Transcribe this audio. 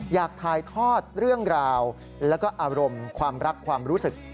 อยากถ่ายทอดเรื่องราวแล้วก็อารมณ์ความรักความรู้สึก